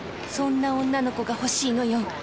そんな女の子が欲しいのよ！